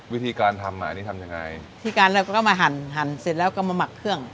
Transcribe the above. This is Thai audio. วิธีการทำอ่ะอันนี้ทำยังไงวิธีการเราก็มาหั่นหั่นเสร็จแล้วก็มาหมักเครื่อง